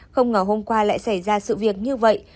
không ngờ hôm qua lại xảy ra sự việc như vậy